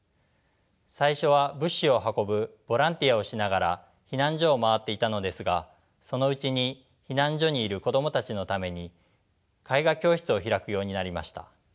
最初は物資を運ぶボランティアをしながら避難所を回っていたのですがそのうちに避難所にいる子供たちのために絵画教室を開くようになりました。